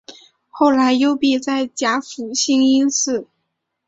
后来幽闭在甲府兴因寺。